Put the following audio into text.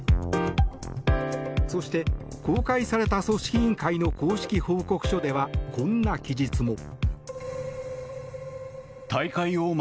そして、公開された組織委員会の公式報告書では、こんな記述も。